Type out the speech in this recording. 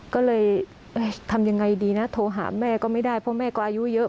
ก็เลยทำยังไงดีนะโทรหาแม่ก็ไม่ได้เพราะแม่ก็อายุเยอะ